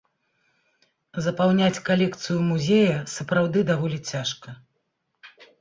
Запаўняць калекцыю музея сапраўды даволі цяжка.